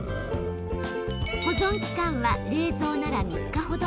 保存期間は冷蔵なら３日ほど。